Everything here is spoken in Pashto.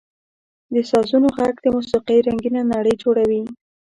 • د سازونو ږغ د موسیقۍ رنګینه نړۍ جوړوي.